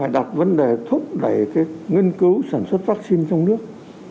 đặt vấn đề thúc đẩy nghiên cứu sản xuất vaccine trong nước